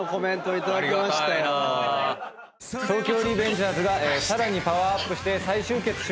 『東京リベンジャーズ』がさらにパワーアップして再集結しました。